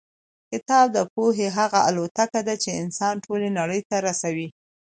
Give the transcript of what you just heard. کتاب د پوهې هغه الوتکه ده چې انسان ټولې نړۍ ته رسوي.